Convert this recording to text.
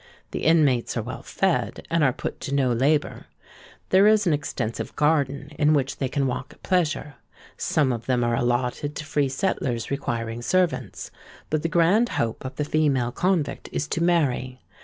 The inmates are well fed, and are put to no labour. There is an extensive garden, in which they can walk at pleasure. Some of them are allotted to free settlers requiring servants; but the grand hope of the female convict is to marry.